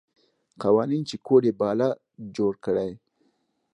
قوانین چې کوډ یې باله جوړ کړي.